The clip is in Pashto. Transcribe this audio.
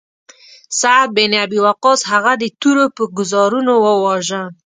سعد بن ابی وقاص هغه د تورو په ګوزارونو وواژه.